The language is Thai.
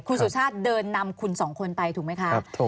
คุณสุชาติเดินนำคุณสองคนไปถูกไหมคะ